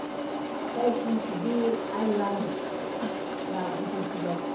最近ＤＩＹはご卒業？